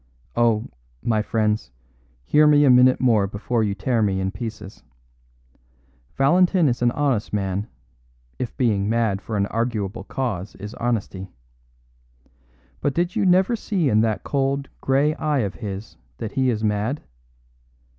Oh, my friends, hear me a minute more before you tear me in pieces. Valentin is an honest man, if being mad for an arguable cause is honesty. But did you never see in that cold, grey eye of his that he is mad!